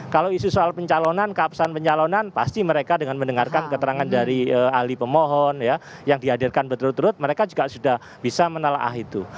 kalau isu soal pencalonan keabsahan pencalonan pasti mereka dengan mendengarkan keterangan dari ahli pemohon yang dihadirkan berturut turut mereka juga sudah bisa menelaah itu